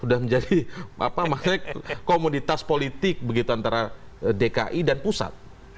sudah menjadi komoditas politik begitu antara dki dan pusat